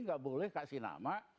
gak boleh kasih nama